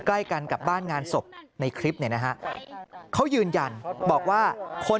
ใกล้กันกับบ้านงานศพในคลิปเนี่ยนะฮะเขายืนยันบอกว่าคน